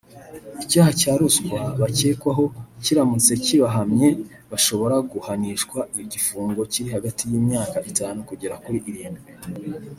Icyaha cya ruswa bakekwaho kiramutse kibahamye bashobora guhanishwa igifungo kiri hagati y’imyaka itanu kugera kuri irindwi